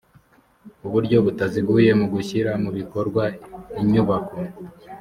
uburyo butaziguye mu gushyira mu bikorwa inyubako